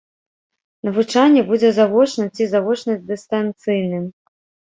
Навучанне будзе завочным ці завочна-дыстанцыйным.